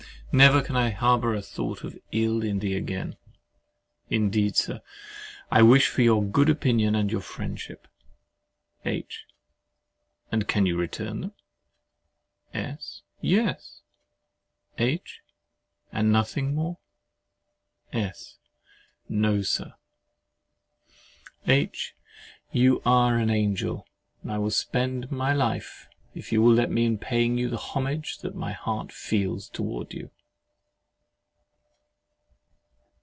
—Never can I harbour a thought of ill in thee again. S. Indeed, Sir, I wish for your good opinion and your friendship. H. And can you return them? S. Yes. H. And nothing more? S. No, Sir. H. You are an angel, and I will spend my life, if you will let me, in paying you the homage that my heart feels towards you.